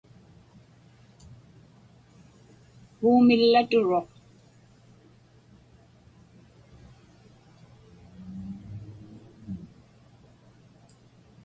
Puumillaturuq.